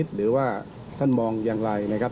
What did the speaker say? หรือว่าท่านมองอย่างไรนะครับ